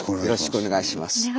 よろしくお願いします。